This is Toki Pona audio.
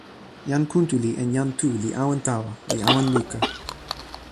jan Kuntuli en jan Tu li awen tawa, li awen luka.